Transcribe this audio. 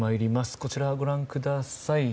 こちらをご覧ください。